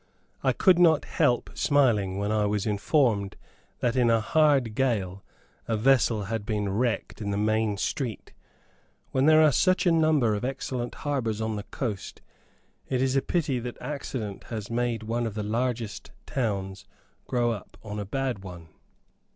I could not help smiling when I was informed that in a hard gale a vessel had been wrecked in the main street. When there are such a number of excellent harbours on the coast, it is a pity that accident has made one of the largest towns grow up on a bad one.